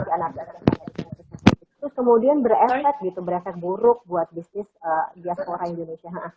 terus kemudian berefek gitu berefek buruk buat bisnis diaspora indonesia